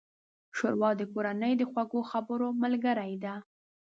ښوروا د کورنۍ د خوږو خبرو ملګرې ده.